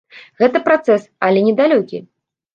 Гэта працэс, але не далёкі.